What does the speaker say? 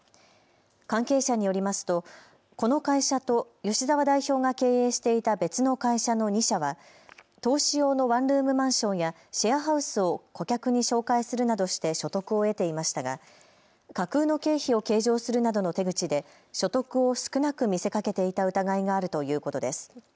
関係者によりますとこの会社と吉澤代表が経営していた別の会社の２社は投資用のワンルームマンションやシェアハウスを顧客に紹介するなどして所得を得ていましたが架空の経費を計上するなどの手口で所得を少なく見せかけていた疑いがあるということです。